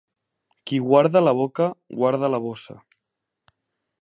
Qui guarda la boca, guarda la bossa.